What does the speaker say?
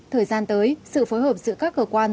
thời gian tới sự phối hợp giữa các cơ quan